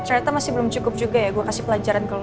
ternyata masih belum cukup juga ya gue kasih pelajaran